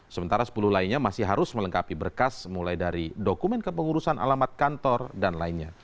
sementara sepuluh lainnya masih harus melengkapi berkas mulai dari dokumen kepengurusan alamat kantor dan lainnya